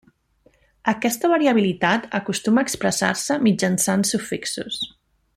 Aquesta variabilitat acostuma a expressar-se mitjançant sufixos.